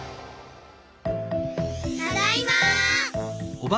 ただいま。